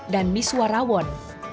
dan misua rawon